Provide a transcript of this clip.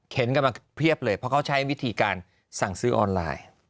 กันมาเพียบเลยเพราะเขาใช้วิธีการสั่งซื้อออนไลน์